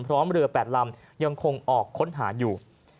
พร้อมเรือ๘ลำยังคงออกค้นหาอยู่